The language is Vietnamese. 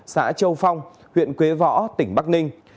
xã châu phong huyện quế võ tỉnh bắc ninh